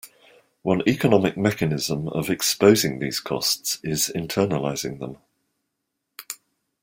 One economic mechanism of exposing these costs is internalizing them.